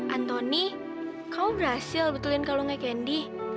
antoni kamu berhasil betulin kalungnya kandi